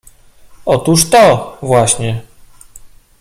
— Otóż to właśnie.